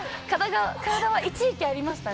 体は一時期ありましたね。